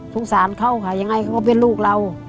สงสารเขาค่ะยังไงเขาก็เป็นลูกเรา